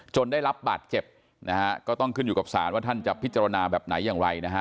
ได้รับบาดเจ็บนะฮะก็ต้องขึ้นอยู่กับศาลว่าท่านจะพิจารณาแบบไหนอย่างไรนะฮะ